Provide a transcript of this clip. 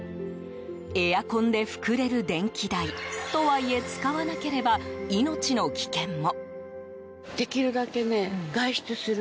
エアコンで膨れる電気代。とはいえ使わなければ命の危険も。